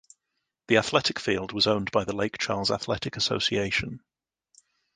The Athletic Field was owned by the Lake Charles Athletic Association.